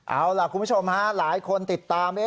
เอาล่ะคุณผู้ชมฮะหลายคนติดตาม